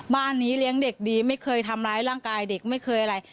บ้านนี้เลี้ยงเด็กดีไม่เคยทำร้ายร่างกายเด็กไม่เคยอะไร